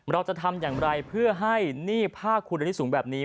เราจะทำอย่างไรเพื่อให้หนี้ผ้าคุณอันนี้สูงแบบนี้